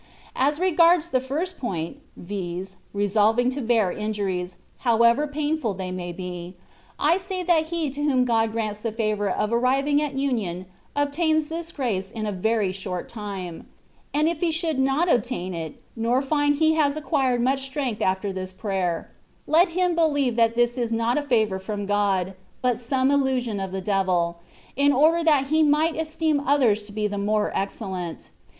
As regards the first point, viz., resolving to bear injuries, however painful they may be, I say that he to whom God grants the favour of arriving at union obtains this gnuje in a very short time; aad if he should not obtain it, nor find he has acquired much strength after this prayer, let him believe that this was not a favour from God, but some illusion of the devil, in order that we might esteem ourselves to be the more excellent.